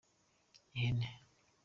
ihene.